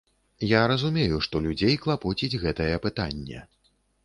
Я разумею, што людзей клапоціць гэтае пытанне.